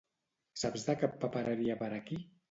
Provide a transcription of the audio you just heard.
Saps de cap papereria per aquí?